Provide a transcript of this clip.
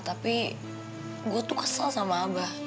tapi gue tuh kesel sama abah